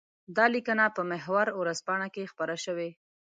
دا لیکنه په محور ورځپاڼه کې خپره شوې.